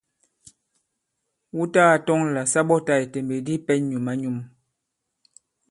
Wu tagā tɔŋ là sa ɓɔtā ìtèmbèk di i pɛ̄n nyǔm-a-nyum.